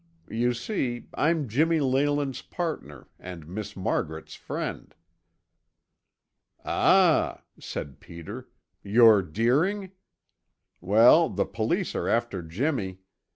You see, I'm Jimmy Leyland's partner and Miss Margaret's friend." "Ah," said Peter, "you're Deering? Well, the police are after Jimmy.